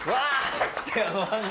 っつって。